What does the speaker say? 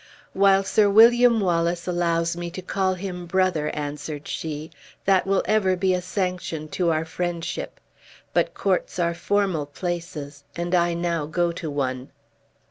"While Sir William Wallace allows me to call him brother," answered she, "that will ever be a sanction to our friendship; but courts are formal places, and I now go to one."